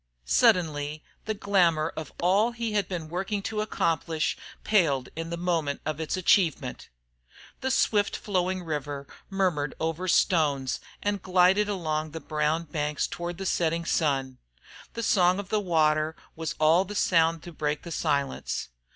Suddenly the glamour of all he had been working to accomplish paled in the moment of its achievement. The swift flowing river murmured over stones and glided along the brown banks toward the setting sun. The song of the water was all the sound to break the silence.